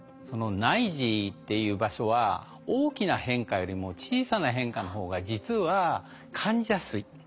この内耳っていう場所は大きな変化よりも小さな変化の方が実は感じやすい。